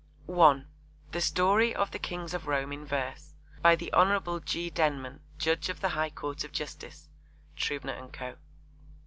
(1) The Story of the Kings of Rome in Verse. By the Hon. G. Denman, Judge of the High Court of Justice. (Trubner and Co.)